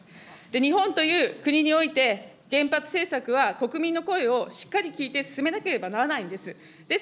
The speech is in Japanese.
日本という国において、原発政策は国民の声をしっかり聞いて進めなければならないんです。